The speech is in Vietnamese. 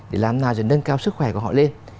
để làm nào để nâng cao sức khỏe của họ lên